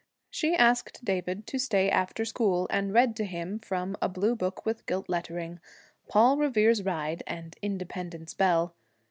She asked David to stay after school, and read to him, from a blue book with gilt lettering, 'Paul Revere's Ride' and 'Independence Bell.'